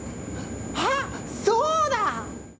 あっそうだ！